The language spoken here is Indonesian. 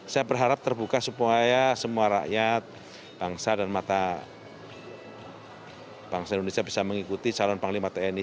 saya berharap terbuka supaya semua rakyat bangsa dan mata bangsa indonesia bisa mengikuti calon panglima tni